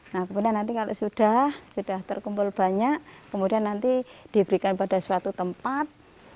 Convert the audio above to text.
nah kemudian nanti kalau sudah sudah terkumpul banyak kemudian nanti diberikan pada suatu tempat